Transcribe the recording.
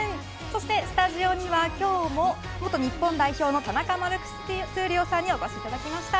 そして、スタジオには今日も元日本代表の田中マルクス闘莉王さんにお越しいただきました。